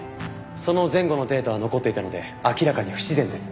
その前後のデータは残っていたので明らかに不自然です。